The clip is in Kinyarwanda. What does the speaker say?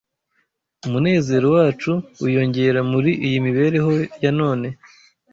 umunezero wacu wiyongera muri iyi mibereho ya none